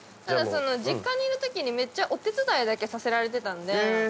ただその実家にいる時にめっちゃお手伝いだけさせられてたのでええ